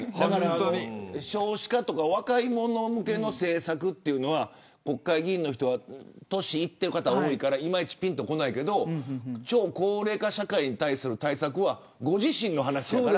少子化とか若い者向けの政策というのは国会議員は年上の方が多いからいまいち、ピンとこないけど超高齢化社会に対する対策はご自身の話だから。